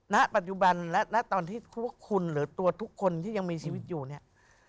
ณปัจจุบันและณตอนที่พวกคุณหรือตัวทุกคนที่ยังมีชีวิตอยู่เนี่ย